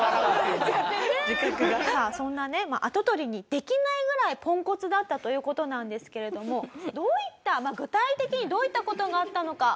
そんなね跡取りにできないぐらいポンコツだったという事なんですけれどもどういったまあ具体的にどういった事があったのか。